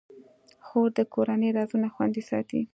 خور د کورنۍ رازونه خوندي ساتي.